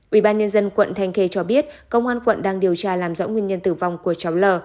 ubnd quận thanh khê cho biết công an quận đang điều tra làm rõ nguyên nhân tử vong của cháu l